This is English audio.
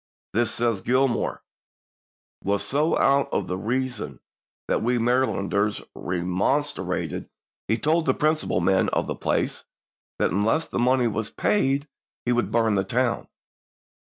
This, says Gilmor, " was so out of all reason that we Marylanders re monstrated, but to no purpose. He told the princi pal men of the place that unless the money was paid he would burn the town."